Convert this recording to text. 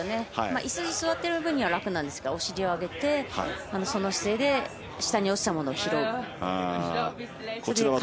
いすに座っている分には楽なんですがお尻を上げてその姿勢で下に落ちたものを拾う。